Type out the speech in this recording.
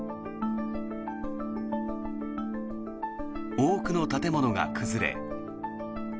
多くの建物が崩れ